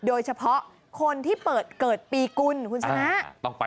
โดยเฉพาะคนที่เปิดเกิดปีกุลคุณชนะ